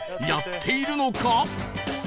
やっているのか？